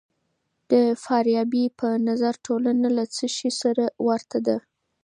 د فارابي په نظر ټولنه له څه سي سره ورته ده؟